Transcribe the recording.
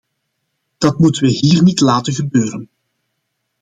Dat moeten we hier niet laten gebeuren.